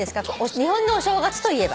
日本のお正月といえば。